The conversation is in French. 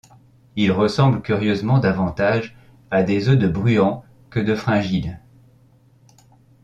Ils ressemblent curieusement davantage à des œufs de bruants que de fringilles.